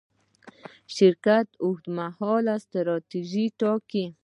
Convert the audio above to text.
شرکت اوږدمهاله ستراتیژي ټاکي.